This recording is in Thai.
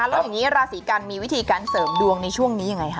แล้วอย่างนี้ราศีกันมีวิธีการเสริมดวงในช่วงนี้ยังไงคะ